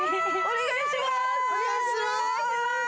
お願いします